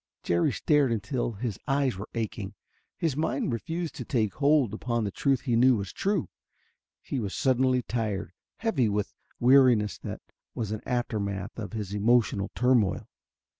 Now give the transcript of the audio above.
Jerry stared until his eyes were aching. His mind refused to take hold upon the truth he knew was true. He was suddenly tired, heavy with weariness that was an aftermath of his emotional turmoil.